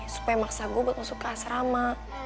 supaya maksa gue buat masuk ke asrama